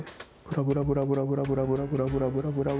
ブラブラブラブラブラブラブラブラ。